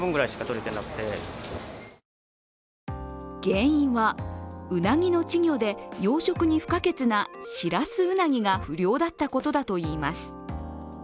原因は、うなぎの稚魚で養殖に不可欠なしらすうなぎが不漁だったことだといいます。